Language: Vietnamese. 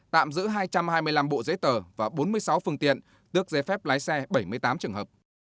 tạm giữ hai trăm hai mươi năm bộ giấy tờ và bốn mươi sáu phương tiện tước giấy phép lái xe bảy mươi tám trường hợp